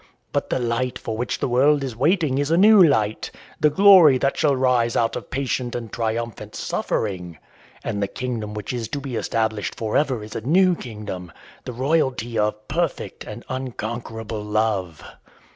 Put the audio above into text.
But the light for which the world is waiting is a new light, the glory that shall rise out of patient and triumphant suffering. And the kingdom which is to be established forever is a new kingdom, the royalty of perfect and unconquerable love.